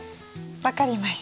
分かりました。